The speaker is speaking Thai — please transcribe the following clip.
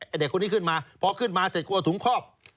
เด็กคนนี้ขึ้นมาพอขึ้นมาเสร็จกลัวถุงครอบ